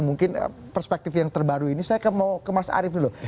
mungkin perspektif yang terbaru ini saya mau ke mas arief dulu